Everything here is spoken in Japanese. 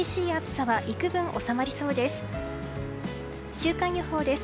週間予報です。